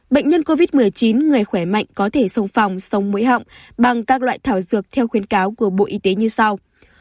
bệnh nhân covid một mươi chín người khỏe mạnh có thể sông phòng sông mũi họng bằng các loại thảo dược theo khuyến cáo của bộ y tế như sau